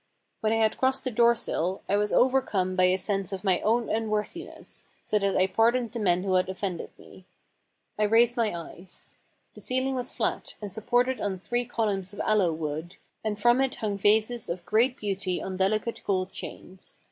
... When I had crossed the doorsill I was overcome by a sense of my own unworthiness, so that I pardoned the men who had offended me. I raised 500 THE SQUARE HOUSE, OR KABAH my eyes. The ceiling was flat, and supported on three columns of aloe wood, and from it hung vases of great beauty on delicate gold chains.